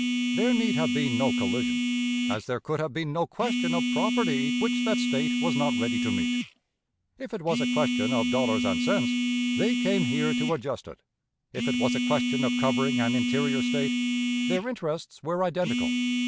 There need have been no collision, as there could have been no question of property which that State was not ready to meet. If it was a question of dollars and cents, they came here to adjust it. If it was a question of covering an interior State, their interests were identical.